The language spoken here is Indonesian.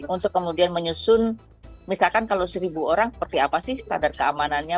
untuk kemudian menyusun misalkan kalau seribu orang seperti apa sih standar keamanannya